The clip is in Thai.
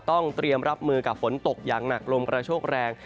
ต้องเตรียมรับมือกับฝนตกอย่างหนักลมกระโชคแรง